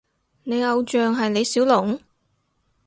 你偶像係李小龍？